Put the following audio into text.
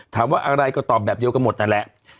ถามว่าอะไรก็ตอบแบบเดียวกันหมดนั่นแหละ